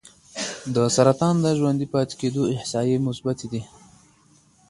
د سرطان د ژوندي پاتې کېدو احصایې مثبتې دي.